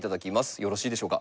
よろしいでしょうか？